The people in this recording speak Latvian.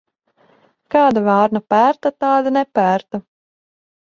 Kāda vārna pērta, tāda nepērta.